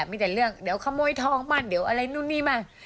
มีแต่เรื่องเดี๋ยวขโมยทองมั่นเดี๋ยวอะไรนู่นนี่มา